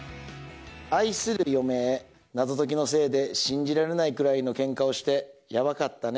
愛する嫁へ謎解きのせいで信じられないくらいのけんかをしてやばかったね。